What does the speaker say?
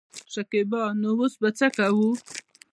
شکيبا : نو اوس به څه کوو.